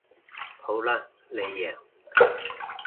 好啦你贏